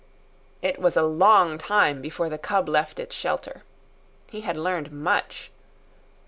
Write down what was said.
It was a long time before the cub left its shelter. He had learned much.